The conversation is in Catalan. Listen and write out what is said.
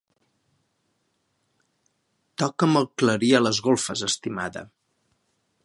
Toca'm el clarí a les golfes, estimada.